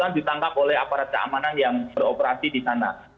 ditangkap oleh aparat keamanan yang beroperasi di sana